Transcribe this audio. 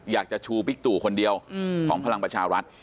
อยากจะชูบิ๊กตู่คนเดียวของพลังประชารัฐ